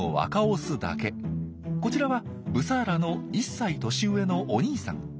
こちらはブサーラの１歳年上のお兄さん。